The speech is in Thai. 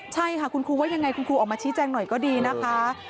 ใช่ค่ะคุณครูว่ายังไงคุณครูออกมาชี้แจงหน่อยก็ดีนะคะ